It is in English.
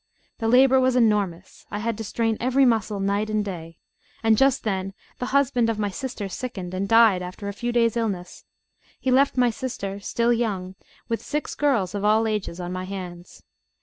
The labour was enormous: I had to strain every muscle night and day; and just then the husband of my sister sickened, and died after a few days' illness. He left my sister, still young, with six girls of all ages, on my hands.